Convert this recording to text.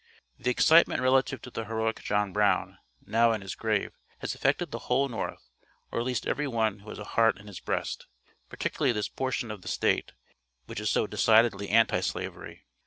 The excitement relative to the heroic John Brown, now in his grave, has affected the whole North, or at least every one who has a heart in his breast, particularly this portion of the State, which is so decidedly Anti slavery.